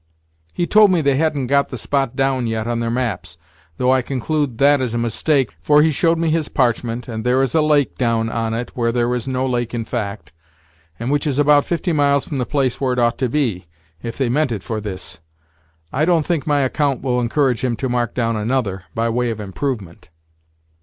He told me they hadn't got the spot down yet on their maps, though I conclude that is a mistake, for he showed me his parchment, and there is a lake down on it, where there is no lake in fact, and which is about fifty miles from the place where it ought to be, if they meant it for this. I don't think my account will encourage him to mark down another, by way of improvement."